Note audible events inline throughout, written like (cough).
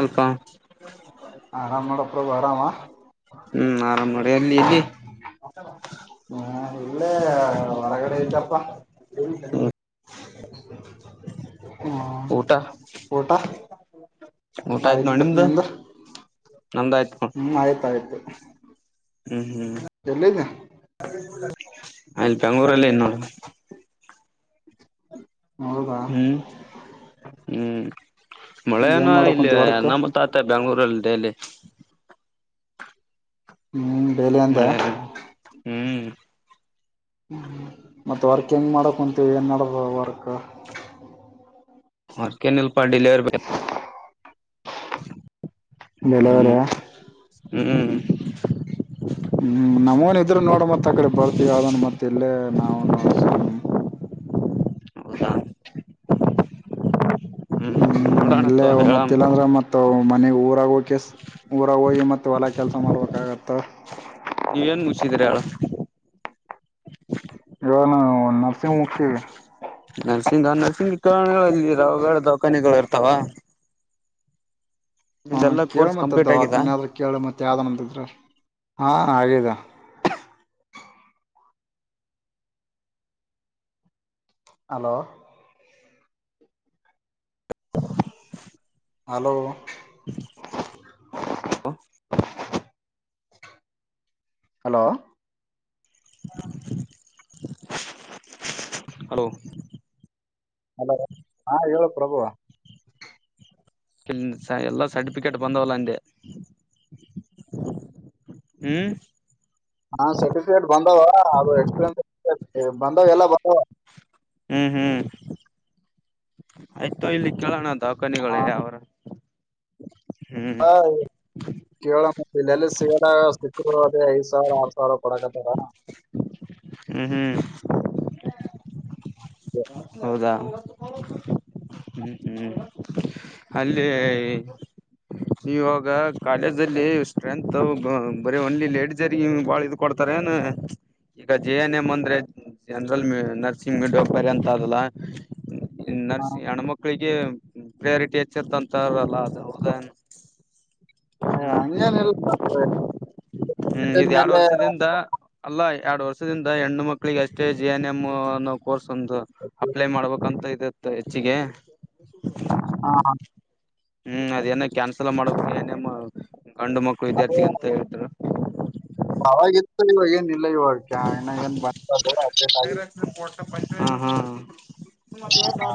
ಅಲ್ ಪ ಆರಾಮ್ ನೋಡಪ್ರಭು ಆರಾಮ ಹ್ಮ್ ನೋಡು ಎಲ್ ಎಲ್ಲಿ. ಮಾತಾಡು. (unintelligible) ಹಾ ಇಲ್ಲೇ ಹೊರಗಡೆ ಇದೆಪ್ಪ. ಹ್ಮ್ ಹ್ಮ ಊಟ ಊಟ ಊಟ ಆಯ್ತ್ ನೋಡಿ ಆಯ್ತು ನಿಮ್ದು ನಿಂದು ನಮ್ದ ಆಯ್ತ್ ನೋಡ್ ಹ್ಮ್ ಆಯ್ತ ಆಯ್ತು. ಎಲ್ಲಿದ್ಯಾ. ಅಲ್ ಬೆಂಗ್ಳೂರಲ್ಲಿ ನೋಡು. ಹೌದಾ ಹ್ಮ್ ಹ್ಮ್. ಮಳೆನ ಏನ್ ಇಲ್ಲಿ ಮಾಡಕುಂತಿ ವರ್ಕ್ ನಮ್ ತಾತ ಬೆಂಗ್ಳೂರಲ್ ಡೈಲಿ. ಹ್ಮ್ ಡೈಲಿ ಅಂದೆ ಮಳೆ. ಹ್ಮ್ ಹ್ಮ ಮತ್ತ ವರ್ಕ್ ಹೆಂಗ್ ಮಾಡಕ್ ಕುಂತೀವಿ ಏನ್ ನಡೆದ ವರ್ಕ್. ವರ್ಕ್ ಏನಿಲ್ ಪ ಡೆಲ್ವರಿ ಬಾಯ್. (unintelligible) ಡೆಲೆವರಿಯ. ಹ್ಮ ಹ್ಮ್ ನಮೂನ್ ಇದ್ರೆ ನೋಡ ಮತ್ ಆಕಡೆ ಬರ್ತೀವ್ ಅದನ್ ಮತ್ ಇಲ್ಲೇ ನಾವ್ನು ಸುಮ್. ಹೌದಾ ಹ್ಮ್ ನೋಡೋಣ ಇಲ್ಲೇ ಮತ್ ಹೇಳಾಮ್ ಇಲ್ಲಾಂದ್ರೆ ಮತ್ ಮನೆಗ್ ಊರಾಗ್ ಹೋಗೆಸ್ ಊರಾಗ್ ಹೋಗಿ ಮತ್ ಹೊಲ ಕೆಲ್ಸ! ಮಾಡ್ಬೇಕಾಗ್ತ್ತ. ಇದ್ರ್ಯಳ. ಅ ನಾವ್ ನರ್ಸಿಂಗ, ನರ್ಸಿಂಗ್ ಕ ನೀವ್ ಓದಿದಿರ ದಖಾನಿಗ್ಳ್ ಇರ್ತಾವ. ಹ ನಿಂದೆಲ್ಲಾ ಕೇಳು ಕೋರ್ಸ್ ಮತ್ತ ಕಂಪ್ಲೀಟ್ ಆಗಿದಾ ದವಾಖಾನೆದ್ರೆ ಕೇಳು ಮತ್ತೆ ಯಾವ್ದ್ ಒಂದಿದ್ರ. ಹಾ ಹಾಗ್ಯದ. Hello. Hello. Hello. Hello. Hello ಹಾ ಹೇಳು ಪ್ರಭು. ಕಿನ್ ಸ ಎಲ್ಲಾ ಸರ್ಟಿಫಿಕೇಟ್ ಬಂದವಲ್ಲ ಅಂದೆ. (unintelligible) ಹ್ಮ ಹಾ ಸರ್ಟಿಫಿಕೇಟ್ ಬಂದವ ಅದು ಎಕ್ಸ್ಪೀರಿಯನ್ಸ್ ಕೇಳ್ ಹೇ ಬಂದಾವ್ ಎಲ್ಲ ಬಂದಾವ. ಹ್ಮ್ ಹ್ಮ್. ಆಯ್ತೊ ಇಲ್ಲಿ ಕೇಳಣದ್ ದವಾಖಾನಿಗುಳೆ ಯಾವ್ರ. ಹಾಯ್ ಕೆಳಮ್ ಇಲ್ಲೆಲ್ಲಿ ಸಿಗರ ಸಿಕ್ಕರು ಅದೆ ಐದ್ ಸಾವ್ರ ಆರ್ ಸಾವ್ರ ಕೊಡಕತ್ತಾರ. ಹ್ಮ್ ಹ್ಮ್. ಎ ಹೌದಾ ಹ್ಮ್ ಹ್ಮ್ ಅಲ್ಲಿ ಇವಾಗ ಕಾಲೇಜಲ್ಲಿ ಸ್ಟ್ರೆಂತ್ ಬ ಬರೆ ಓನ್ಲಿ ಲೇಡೀಸೆ ರೀ ಇವ್ ಬಾಳ ಇದ್ ಕೊಡ್ತಾರೆನ, ಈಗ ಜೆ ಎನ್ ಎಮ್ ಅಂದ್ರೆ ಜನರಲ್ ನರ್ಸಿಂಗ್ ಮೀಡಿಯೋಪರ್ ಅದೆಲ್ಲಾ ಈ ನರ್ಸ್ ಹೆಣ್ ಮಕ್ಳಿಗೆ ಹ್ಮ್ ಪ್ರಿಯೋರಿಟಿ ಹೆಚ್ಚಿರ್ ಅಂತಾರಲ್ಲ ಅದು ಹೌದೇನ್ ಅಯ ಅಂಗೆನಿಲ್ ಬಟ್ಟೆ ಒಗಿತ್ ಹ್ಮ ಇದ್ ಎರ್ಡ್ ವರ್ಷದಿಂದ ಅಲ್ಲ ಎರ್ಡ್ ವರ್ಷದಿಂದ ಹೆಣ್ಣು ಮಕ್ಕಳಿಗಷ್ಟೇ ಜಿ ಎನ್ ಎಂ ಅನ್ನೋ ಕೋರ್ಸ್ ಒಂದು ಅಪ್ಲೈ ಮಾಡ್ಬೇಕಂತ ಇ ಇದೆತ್ತ ಹೆಚ್ಚಿಗೆ ಹಾಂ ಹಾಂ ಹ್ಮ್ ಅದೇನೊ ಕ್ಯಾನ್ಸಲ್ ಮಾಡಬೇಕ್ (unintelligible) (unintelligible) ಆವಾಗಿತ್ತು ಇವಾಗೇನ್ ಇಲ್ಲ ಇವಾಗ್ ಜಾಯಿನ್ ಆಗೀನ್ (unintelligible) ಹ್ಮ್ ಹ್ಮ್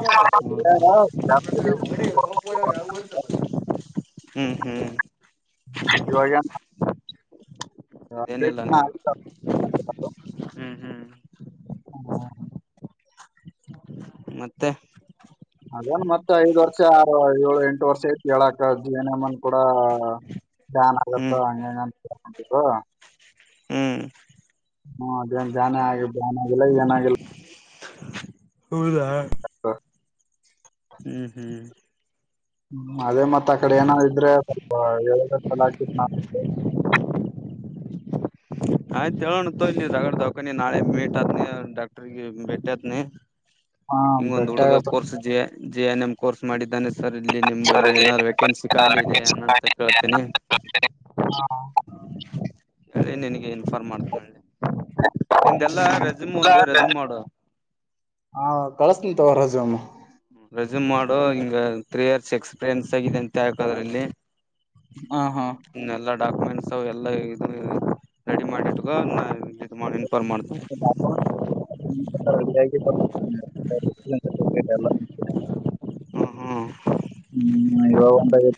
ಆಗಿಲ್ಲ ಹ್ಮ್ ಹ್ಮ್ ಇವಾಗ್ ಏನ್ನ. ಅದೇನಿಲ್ಲ ನೀವಾಗ ಅಪ್ಡೇಟ್ ಹ್ಮ್ ಹ್ಮ್. ಹ ಹ ಹಾ ಹಾ. ಮತ್ತೆ. ಅದೆನ್ ಮತ್ತೆ ಐದ್ ವರ್ಷ ಆರು ಏಳು ಎಂಟು ವರ್ಷ ಇತ್ ಹೇಳಾಕ್ ಜೀವ್ನ ಮನ್. ಕೂಡ ಬ್ಯಾನ್ ಹ್ಮ್ ಆಗೇತ್ತಾ ಹಂಗೆ ಹಿಂಗ್ ಅಂತ್ ಹೇಳ್ ಇಗೋ. ಹ್ಮ್ ಹ್ಮ ಅದೆನ್ ಬ್ಯಾನೇ ಅಗಿ ಬ್ಯಾನ ಆಗಿಲ್ಲ ಏನಾಗಿಲ್ಲ. (unintelligible) ಹೌದಾ. ಹ್ಮ್ ಹ್ಮ್. ಹ್ಮ್ ಅದೇ ಮತ್ತತ್ ಅ ಕಡೆ ಏನ ಇದ್ರೆ ಸ್ವಲ್ಪ ಹೇಳಲ ಆಕತ್ ನ ಆಯ್ತುಣ ತ ಇಲ್ಲಿ ದಗಡ ದಖಾನ ನಾಳೆ ಮೀಟತ್ ನೀ ಡಾಕ್ಟರ್ಗೆ ಭಟತ್ ನೀ ಹಾ ಬೆಟ್ಟ ಜೆ ಎನ್ ಎಂ ಕೋರ್ಸ್ ಮಾಡಿದ್ದಾನೆ ಸರ್ ಇಲ್ಲಿ ಸರ್ ನಿಂಬಲ್ಲಿ ಇಲ್ಲಿ ಏನಾದ್ರು ವೇಕೆನ್ಸಿ ಕಾಯಿ ಏನಾದ್ರು ಇದೆ ಏನಂತ ಮಾಡಿ ಕೇಳ್ತೇನೆ ಹೇಳಿ ನಿನಗೆ ಇನ್ಫಾರ್ಮ್ ಮಾಡ್ತನಿ ಮಾಡು ಹಾ ಕಳಸ್ನ ತೋರ ಜಮ ರೆಸ್ಯೂಮ್ ಮಾಡು ಹಿಂಗ ತ್ರೀ ಇಯರ್ಸ್ ಎಕ್ಸ್ಪೀರಿಯನ್ಸ್ ಆಗಿದೆ ಅಂತ ಹೇದ್ರ ಇಲ್ಲಿ ಹ ಹಾ ಡಾಕ್ಯುಮೆಂಟ್ಸ್ ಎಲ್ಲ ಇ ರೆಡಿ ಮಾಡಿಟ್ಟ ಮಾಡ (inaudible) ರೆಡ ಆ (unintelligible) ಎ ಹ್ಮ್ ಹ್ಮ್ ಹ್ಮ್ ಇವಾಗ ಉಟಾಗ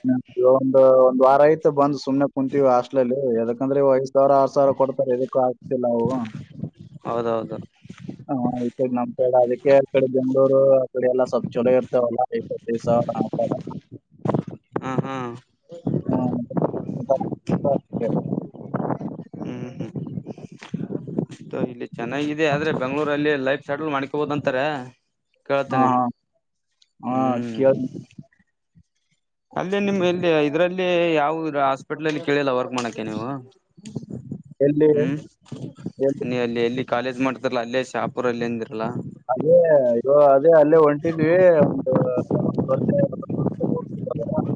ಒಂದ ಒಂದ್ ವಾರ ಆಯ್ತು ಬಂದ ಸುಮ್ನೆ ಕುಂತೀವಿ ಹಾಸ್ಟ್ಲ ಅಲ್ಲಿ ಯದಕಂದ್ರೆ ವಯಸ್ ರ ಆ ಸಾವರ ಕೊಡ್ತಾರೆ ಚಲವು ಹೌದೌದು ಹ ಇ ನಮ ಕಡೆ ಅದಕ್ಕೆ ಎರ ಕಡೆ ಬೆಂಗಳೂರು ಎಲ್ಲ ಸಪ್ಛೋ ಇರ್ತವಲ್ಲ ಸ ಹಾ ಹಾ ಹ್ಮ ಹ್ಮ್ ಹ್ಮ್ ಇಲ್ಲಿ ಚೆನ್ನಾಗಿದೆ ಆದ್ರೆ ಬೆಂಗ್ಗಳೂರಲ್ಲಿ ಲೈ ಸಡಲ್ ಮ್ಕೊಬೋದ ಅಂತಾರ ಹಾ ಹಾ ಹಾ ಕದು ಅಲ್ಲೇ ನಿಮ್ ಎಲ್ಲಿ ಇದರಲ್ಲಿ ಯಾವವು ಹಾಸ್ಪಿಟಲ್ ಅಲ್ಲಿ ಕೇಳಿಲ್ಲ ವರ್ಕ್ ಮಾಡಕ ನೀವು ಎಲ್ಲಿ ಎ ಹ್ಮ್ (unintelligible) ನೀ ಅಲ್ಲಿ ಎಲ್ಲಿ ಕಾಲೇಜ್ ಮಾಡ್ತರ್ ಅಲ್ಲೇ ಶಾಪು ಅಲ್ಲಿ ಅಂದ್ರ ಅದೇ ಅಯ್ಯೋ ಅದೇ ಅಲ್ಲೇ ಹೊಂಟಿದ್ವಿ (unintelligible)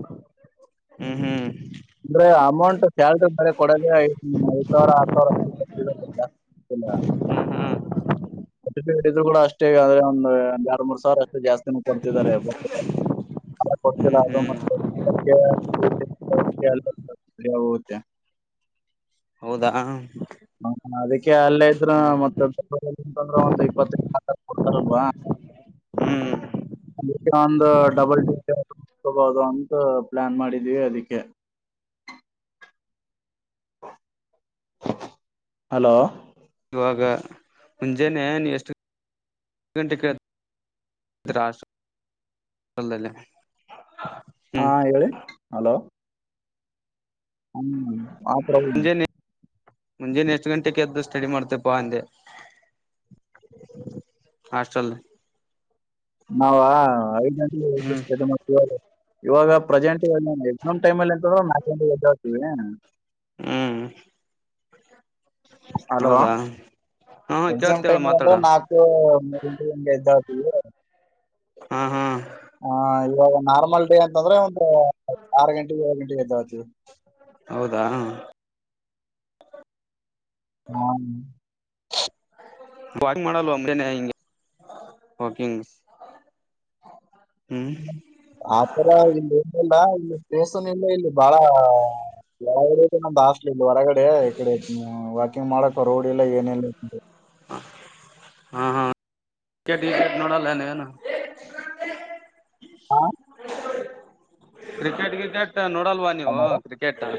ಹ್ಮ್ (unintelligible) ಹ್ಮ್ ಅಂದ್ರೆ ಅಮೌಂಟ್ ಸ್ಯಾಲ್ರಿ ಮಳೆ ಕೊಡದ ಐದು ಹೂ ಸಾವಿರ ಆ ಸಾವಿರಷ್ಟರ್ (unintelligible) ಇಲ್ಲ ಸಟ್ ಇ ಕೂಡ ಅಷ್ಟೇ ಒಂದು ಆರ್ ಮೂರು ಸಾವಿರ ಅಷ್ಟೇ ಜಾಸ್ನ ಕೊಡ್ತಿದ್ದಾರೆ ಹ್ಮ್ ಹ್ಮ್ ಹೌದಾ ಅದಕ್ಕೆ ಅಲ್ಲೇ ಇದ್ರ ಹ್ಮ್ ಮತ್ತ ಅಂತಂದ್ರೆ ಒಂದು ಇಪ್ಪತ್ತ ಕೊಡ್ತಾರಲ್ವಾ ಹ್ಮ್ ಅದಕ್ಕೆ ಒಂದು ಡಬಲ್ ಡಿಕಬೋದು ಅಂತ ಪ್ಲಾನ್ ಮಾಡಿದೀವಿ ಅದಿಕ್ಕೆ ಹಲೋ ಇವಾಗ ಮುಂಜಾನೇ ನೀವ್ ಎಷ್ಟು ಗಂಟೆಕ್ ಹಾಲ್ ದ ಹಾ ಹೇಳಿ ಅಲೋ ಹ್ಮ ಆ ಪ್ರಭು ಮುಂಜಾನ ಎಷ್ಟು ಗಂಟೆ ಕ ಎದ್ದು ಸ್ಟಡಿ ಮಾಡ್ತೇಪ್ಪಾ ಅಂದೆ ಹಾಸ್ಟಲ್ ನಾವ ಐದ್ ಗಂಟಿಗೆ ಎದ್ದು ಹ್ಮ್ ಸ್ಟಡಿ ಮಾಡ್ತಿವಿ ಇವಾಗ ಪ್ರೆಸೆಂಟ್ ನಾನು ಎಕ್ಸಾಮ್ ಟೈಮ್ ಅಂತೂ ನಾಲ್ಕು ಗಂಟೆಗೆ ಎದ್ದೆಳ್ (unintelligible) ಹ್ಮ್ ಹಲೋ ಹೌದಾ ಹಾ ಎಕ್ಸಾಮ್ ಕೇಳ್ತೇಳ ಟೈಮ್ ರದು ಮಾತಾಡ ನಾಕು ಮೂರು ಎಂಟು ಎದ್ದೇಳ್ತಿವಿ ಹಾ ಹಾ ಹ ಇವಾಗ ನಾರ್ಮಲ್ ಡೇ ಅಂತಂದ್ರೆ ಒಂದು ಆರು ಗಂಟೆಗೆ ಏಳು ಗಂಟೆಗೆ ಐತವತಿವಿ ಹೌದಾ ಹ್ಮ್ ವಾಕಿಂಗ್ ಮಾಡಲ್ವಾ ಮುಂಜಾನೆ ಇಂಗೆ ವಾಕಿಂಗ್ ಹ್ಮ್ ಆಪರ ಇಲ್ಲಿ ಇಟ್ಟಿಲ್ಲ ಇಲ್ಲಿ ಪೇಸನ್ ಇಲ್ಲ ಇಲ್ಲಿ ಬಾಳ ಎ ಜನ ಬ ಹೊರಗಡೆ ಇಡೆ ವಾಕಿಂಗ್ ಮಾಡಕ್ಕ ರೋಡ್ ಇಲ್ಲ ಏನಿಲ್ಲ ಕಡಿ ನಡಾ ಲೆನೆನ ನೀವೇನ್ ಹಾ ಕ್ರಿಕೆಟ್ ಗ್ರಿಟೆಟ್ ನೋಡಲ್ ನೋಡಲ್ವಾ ನೀವು ಕ್ರಿಕೆಟ್ (inaudible)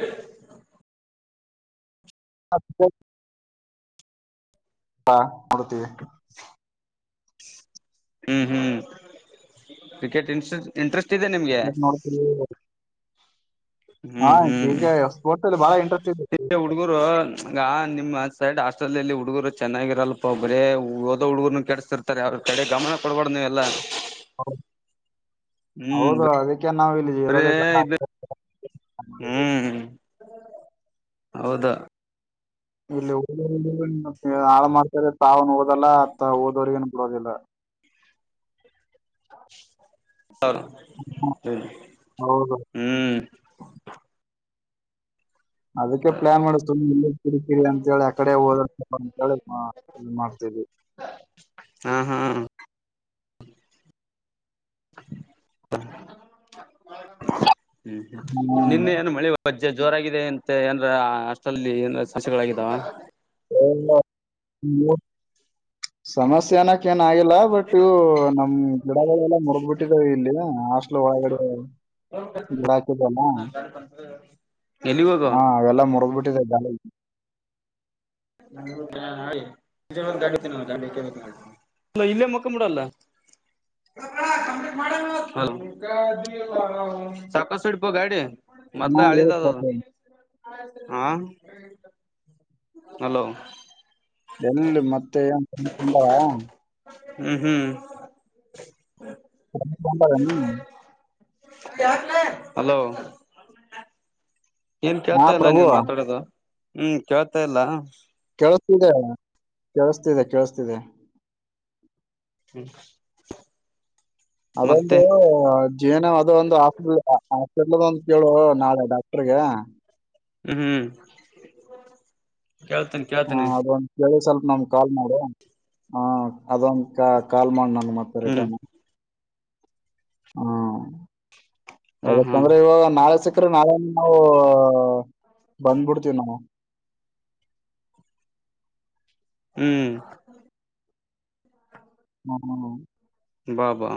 ಹ ಹಾ ನೋಡ್ತೀವಿ ಹ್ಮ್ ಹ್ಮ್ ಕ್ರಿಕೆಟ್ ಇಂಟ್ರಟ್ ಇಂಟ್ರೆಸ್ಟ್ ಇದೆ ನಿಮ್ಗೆ ಎ ನ ಹಾ ಕಿಕ್ ಎಷ್ಟಪೋರ್ಟ್ ಬಾಳ ಇಂಟ್ರೆಟ್ ಹುಡುಗುರು ಹಂಗ ನಿಮ್ಮ್ ಸೈಡ್ ಹಾಸ್ಟೆಲ್ಲ್ಲಿ ಹುಡುಗರು ಚೆನ್ನಾಗಿರಲ್ಪಾ ಬರೇ ಓದೋ ಹುಡುಗರು ಕೆಡಸತಿರ್ತಾರೆ ಅವ್ರ ಕಡೆ ಗಮನ ಕೊಡಬಾರಡ ನೀವು ಎಲ್ಲಾ ಹೌ ಹೌದು ಅದು ನಾವು ಇಲ್ಲಿ ಬರೇ ಇರೋದಿಲ್ಲ ಇದು (unintelligible) ಹ್ಮ್ ಹೌದಾ ಇಲ್ಲಿ ಹ ಹೆಣ್ಣು ಮಕ್ಕಳು ಹಾಳು ಮಾಡ್ಕೊ ತಾವ್ ಓದಲ್ಲ ಓದವರಿಗೇನ್ ಬಿಡೋದಿಲ್ಲ ಹ (unintelligible) ಸರಿ ಹು ಹೌದು ಹ್ಮ್ ಅದಕ್ಕೆ ಪ್ಲಾನ್ ಮಾಡು ಕಿರಿಕಿರಿ ಅಂತೇಳಿ ಆಕಡೆ ಹೋದ ಅಂತೇಳಿ ಮಾಡ್ತೀವಿ ಹಾ ಹಾ ಹ ಹ್ಮ್ ಹ್ಮ್ ನಿನ್ನೆ ಏನು ಮಳೆ ಅಪ್ಪಾಜಿ ಜೋರಾಗಿದೆ ಅಂತ ಏನ ಹಾಸ್ವೇಲ್ ಏ ಸಮಸ್ಯೆಗಳಾಗಿದ್ದಾವ ಇಲ್ಲ ನೀವು ಸಮಸ್ಯ ನ ಕ ಆಗಲ್ಲ ಬಟ್ ನಮ್ ಗಿಡಗಳೇಳ ಮುರ್ದುಬಿಟ್ಟಿದಾವ ಇಲ್ಲಿ ಹಾಸ್ಲೇ ಲ್ ಒಳಗಡೆ ಗಿಡ ಹಾಕಿದಲ್ಲ ಎಲ್ಲಿಗ್ ಹೋಗೋ ಹ ಅವೆಲ್ಲ ಮುರ್ದ್ಬಿಟ್ಟ ಇ (unintelligible) (unintelligible) ಇಲ್ಲೇ ಮುಕ್ಕಡಲ್ಲ ಸಾಕಷ್ಟುಡ್ಬ ಗಾಡಿ ಹಾ, ಮೊದ್ಲು ಹೇಳು ಅಳಿದದದು ಪ್ರಭು. ಹಾ ಹ್ಮ (unintelligible) ಹಲೋ ಎಲ್ಲಿ ಮತ್ತೆ ಏನ್ ಬಂದಾವ? ಹ್ಮ್ ಹ್ಮ್ (unintelligible) (inaudible) ಹಲೋ ಏನ್ ಹಾ ಕೇಳ್ತಾ ಇಲ್ಲಾ ಪ್ರಭು ನೀನ್ ಮಾತಾಡೋದು ಹ್ಮ್ ಕೇಳ್ತಾ ಇಲ್ಲ ಕೇಳಸ್ತ ಇದೆ ಕೇಳಸ್ತಿದೆ ಹ್ಮ್ ಅದೊಂದು ಜೀವನ ಅದು ಒಂದು ಆ ಕುಡಿಯಲ್ಲ ಅಂತ ಹೇಳು ನಾಳೆ ಡಾಕ್ಟರ್ಗೆ ಹ್ಮ್ ಹ್ಮ್ ಕೇಳ್ತೇನಿ ಹಾ ಕೇಳ್ತೇನಿ ಅದು ಒಂದು ಕೇಳು ಸ್ಪಲ್ಪ್ ನನ್ ಕಾಲ್ ಮಾಡು ಹ ಅದೊಂದು ಕ ಕಾಲ್ ಮಾಡ ನನ್ ಮತ್ತ ಹ್ಮ್ ರಿಟರ್ನ್ ಹ್ಮ್ಮ್ ಹಾ ಹಾ ಯಾಕಂದ್ರೆ ಇವಾಗ ನಾಳೆ ಸ ಅ್ರ ನಾವ ನಾವು ಬಂದ್ಬಿಡ್ತೀವಿ ನಾವು ಹ್ಮ್ ಹ್ಮ ಹ್ಮ ಬಾ ಬಾ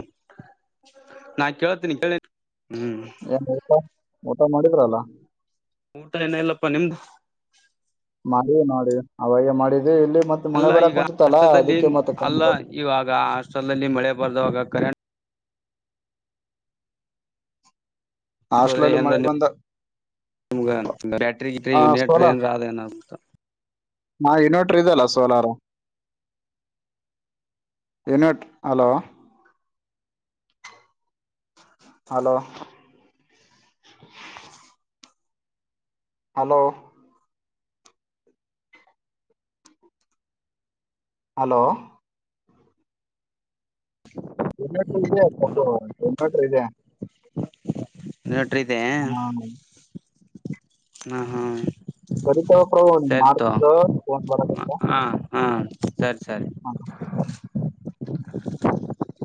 ನಾ ಕೇಳ್ತೀನಿ ಕೇಳಿ ಹ್ಮ್ ಏನ್ ಊಟ ಊಟ ಮಾಡಿದ್ರ ಅಲ್ಲ ಊಟ ಏನ ಇಲ್ಲಪ್ಪಾ ನಿಮ್ದು ಮಾಡಿ ಮಾಡಿ ಅವಾಗ ಮಾಡಿದ್ದ ಇಲ್ಲಿ ಮತ್ತೆ ಮಳೆ ಅಲ್ಲ ಬರಕ್ ಈಗ ಕುಂತಿತ್ತಲ್ಲ ಆಷ್ಟದಲ್ಲಿ ಅದಕ್ಕೆ ಮತ್ತೆ ಅಲ್ಲ ಇವಾಗ ಅರ್ಷ್ಟ್ರದಲ್ಲಿ ಮಳೆ ಬರ್ದವಾಗ ಕರೆಂ ಹಾಸ್ಟೆಲ್ ಹೋದ್ರೆ ಅಲ್ಲಿ ಏನ್ ಮಳೆ ಬಂದ ಬ್ಯಾಟ್ರ ಗಿಟ್ರ ಆ ನೆಟ್ರ ಸೋಲಾರ್ ಏನ್ರ ಹಾ ಇನ್ವರ್ಟರ್ ಇದಲ್ಲ solar ಇನ್ವೆಟ್ hello hello hello hello ತನ್ನಟ ಇದೆ ತನ್ನಟರು ಇದೆ ಇನ್ವೆಟ್ರ್ ಇದೆ ಹಾ ಹ ಹಾ ಬರಿತವ ಪ್ರಭು ಸರಿ ತೊ ಮಾಡ್ತಾ ಫೋನ್ ಬರಕುಂತ ಹಾ ಹಾ ಸರಿ ಸರಿ (inaudible)